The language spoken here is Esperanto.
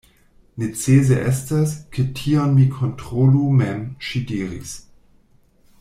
Necese estas, ke tion mi kontrolu mem, ŝi diris.